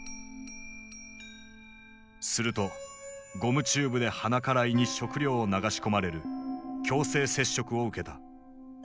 するとゴムチューブで鼻から胃に食料を流し込まれる強制摂食を受けた。